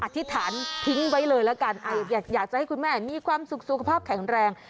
อธิษฐานทิ้งไว้เลยละกันอยากจะให้คุณแม่มีความสุขสุขภาพแข็งแรง